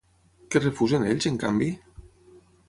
Què refusen ells, en canvi?